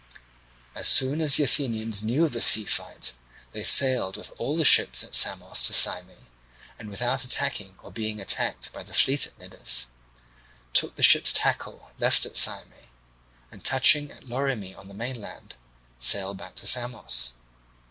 As soon as the Athenians knew of the sea fight, they sailed with all the ships at Samos to Syme, and, without attacking or being attacked by the fleet at Cnidus, took the ships' tackle left at Syme, and touching at Lorymi on the mainland sailed back to Samos.